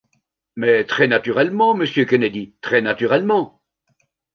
Mais très naturellement, monsieur Kennedy, très naturellement!